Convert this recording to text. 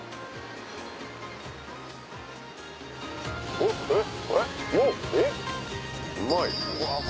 えっえっ？